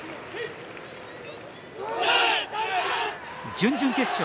準々決勝。